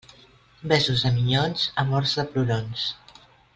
Besos de minyons, amors de plorons.